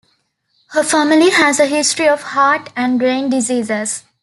Her family has a history of heart and brain diseases.